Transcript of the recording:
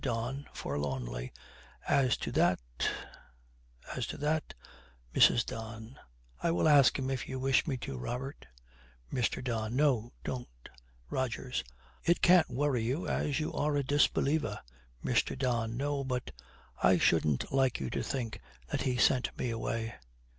DON, forlornly, 'As to that as to that ' MRS. DON. 'I will ask him if you wish me to, Robert.' MR. DON. 'No, don't.' ROGERS. 'It can't worry you as you are a disbeliever.' MR. DON. 'No, but I shouldn't like you to think that he sent me away.'